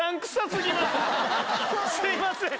すみません！